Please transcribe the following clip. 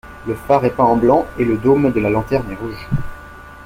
Le phare est peint en blanc et le dôme de la lanterne est rouge.